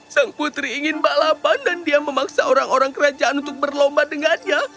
sang putri ingin balapan dan dia memaksa orang orang kerajaan untuk berlomba dengannya